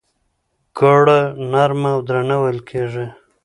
ګړه نرمه او درنه وېل کېږي.